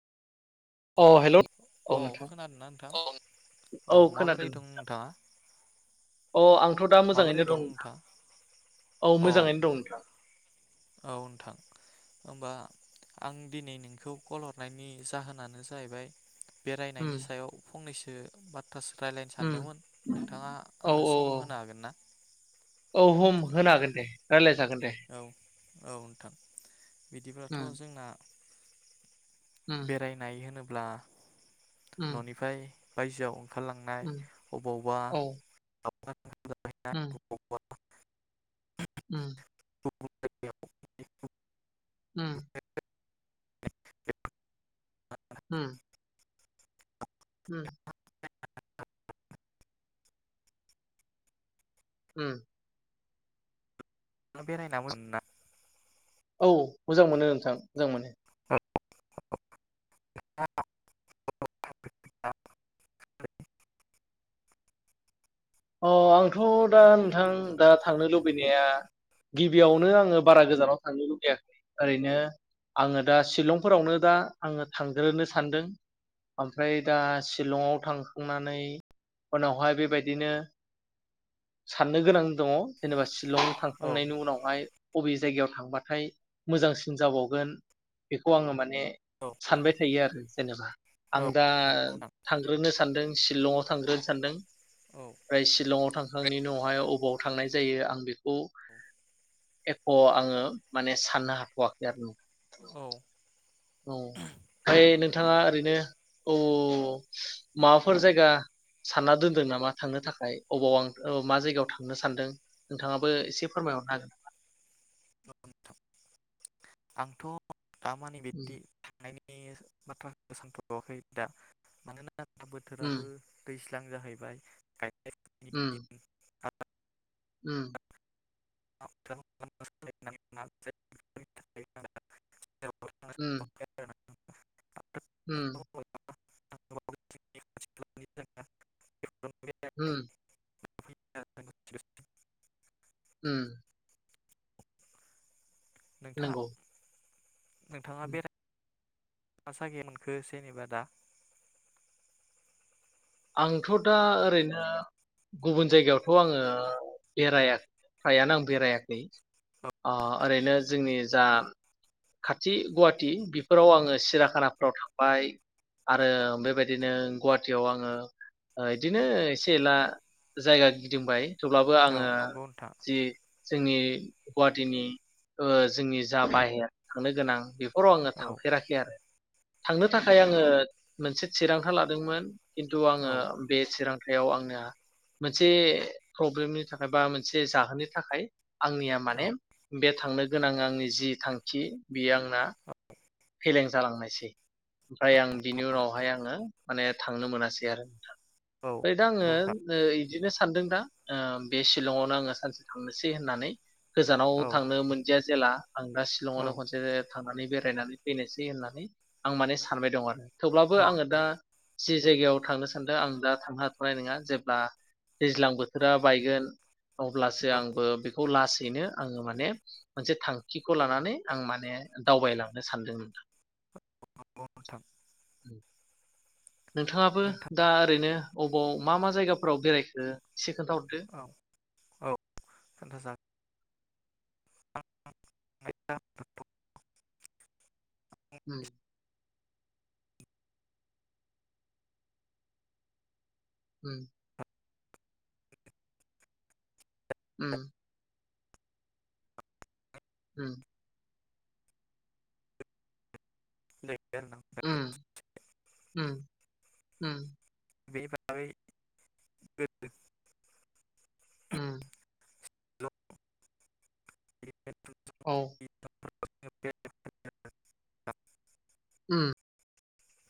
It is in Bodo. अ हेलौ औ अ नोंथां खोनादोंना नोंथां औ माबोरै खोनादों दं नोंथां नोंथाङा अ आंथ दा मोजाङैनो दं नोंथां औ मोजाङैनो दं नोंथां। औ नोंथां। होमबा आं दिनै नोंखौ कल हरनायनि जाहोनानो जाहैबाय उम बेरायनायनि सायाव फंनैसो जे बा दसे रायज्लायनो उम सानदोंमोन नोंथाङा औ आंनो सम होनो हागोन ना? औ हम औ। होनो हागोन दे रायलायजागोन दे औ औ नोंथां बिदिब्लाथ उम जोंना उम बेरायनाय होनो ब्ला उम न'निफ्राय बायजोआव ओंखारलांनाय उम अबावबा औ [unintelligible] उम नांनाय उम [unintelligible] उम हम हम उम आं बेरायनानै मोना औ मोजां मोनो नोंथां मोजां मोनो। [unintelligible] अ आंथ दा नोंथां दा थांनो लुबैनाया गिबियावनो आङो बारा गोजानाव थांनो लुबैयाखै ओरैनो आङो दा शिलंफोरावनो दा आङो थांग्रोनो सानदों ओमफ्राय दा शलंआव थांखांनानै उनावहाय बेबायदिनो साननो गोनां दङ जेनेबा शिलं औ थांखांनायनि उनावहाय बबे जायगायाव थांबाथाय मोजांसिन जाबावगोन बेखौ आङो माने औ सानबाय थायो आरो जेनेबा औ आं दा नंगौ नोंथां थांग्रोनो सानदों शिलंआव थांग्रोनो सानदों। औ ओमफ्राय शिलंआव थां आं उनावहाय अबाव थांनाय जायो आं बेखौ एख आङो माने साननो हाथवाखै आरो औ ओमफ्राय नों नोंथाङा ओरैनो औ माबाफोर जायगा सानना दोनदों नामा? थांनो थाखाय अबाव आं मा जायगायाव थांनो सानदों नोंथाङाबो एसे फोरमायहरनो हागोन नामा? नोंथां आंथ' दामानि बिदि थांनायनि बे बाथ्राखौ सानथवाखै दा मानोना दा उम बोथोराबो दैज्लां दैज्लां जाहैबाय गायनाय फुनायनि उम दिन [unintelligible] उम [unintelligible] उम [unintelligible] उम [unintelligible] उम [unintelligible] [unintelligible] उम नोंथाङा नंगौ नोंथाङा बेराय [unintelligible] मोनखो जेनेबा दा आंथ' दा ओरैनो गुबुन जायगायावथ' आङो बेरायाखै फ्रायानो आं बेरायाखै औ ओ ओरैनो जोंनि जा खाथि गुवाहाटि बेफोराव आङो सिराखानाफ्राव थांबाय आरो बेबायदिनो गुवाहाटियाव आङो ओ बिदिनो एसे एला जायगा गिदिंबाय। थेवब्लाबो औ आङो नंगौ नोंथां जि जोंनि गुवाहाटिनि ओ जोंनि जा बाहेर थांनो गोनां बे फोराव आङो औ थांफेराखै आरो। थांनो थाखाय आङो मोनसे थिरांथा लादोंमोन। थ आङो औ बे थिरां थायाव आंना मोनसे प्रब्लेमनि थाखाय बा मोनसे जाहोननि थाखाय आंनिया औ माने बे थांनो गोनां आंनि जि थांखि बेयो आंना फेलें जालांनायसै। ओमफ्राय आं बिनि उनावहाय आङो माने थांनो मोनासै। [unintelligible] औ नंगौ ओ दा आङो नोंथां इदिनो सानदों दा बे शिलंआवनो आङो सानसे थांनोसै होननानै गोजानाव औ थांनो मोनदियास जेला आं दा औ शिलंआवनो खनसे थांनानै बेरायनानै फैनोसै होननानै आं माने सानबाय दं आरो। थेवब्लाबो औ आङो दा जि जायगायाव थांनो सानदों आं दा थांनो हाथ'नाय नङा जेब्ला दैज्लां बोथोरा बायगोन अब्लासो नंगौ आंबो बे खौ लासैनो आङो माने मोनसे थांखिखौ लानानै आं माने दावबायलांनो सानदोंमोन। [unintelligible] थां [inaudible] नोंथाङाबो नोंथां दा ओरैनो अबाव मा मा जायगाफोराव बेरायखो सि खोनथाहरदो। खोनथा जाग [unintelligible] होम। उम। उम। होम। दे। उम [unintelligible] उम उम। बे [unintelligible] उम औ [unintelligible] उम